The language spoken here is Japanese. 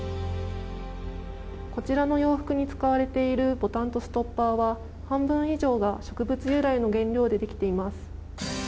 こちらの洋服に使われているボタンとストッパーは半分以上が植物由来の原料でできています。